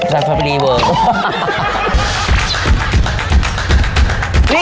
สารฟานรีเวอร์